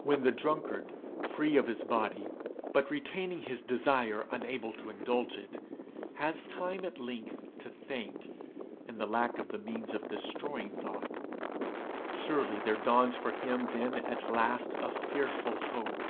When the drunkard, free of his body, but retaining his desire unable to indulge it, has time at length to think, in the lack of the means of destroying thought, surely there dawns for him then at last a fearful hope!